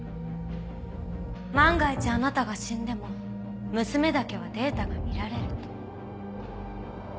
万が一あなたが死んでも娘だけはデータが見られると。